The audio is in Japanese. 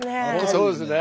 そうですね。